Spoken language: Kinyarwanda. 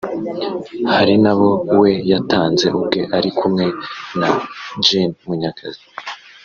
hari n’abo we yatanze ubwe ari kumwe na Gen Munyakazi